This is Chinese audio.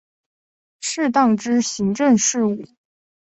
适当之行政事务